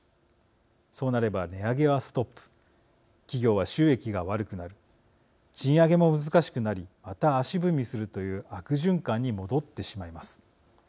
そうなれば値上げはストップ企業は収益が悪くなる賃上げも難しくなりまた足踏みするという悪循環に戻ってしまいます。